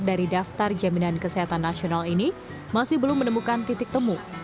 dari daftar jaminan kesehatan nasional ini masih belum menemukan titik temu